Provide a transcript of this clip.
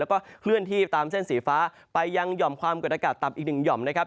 แล้วก็เคลื่อนที่ตามเส้นสีฟ้าไปยังหย่อมความกดอากาศต่ำอีกหนึ่งหย่อมนะครับ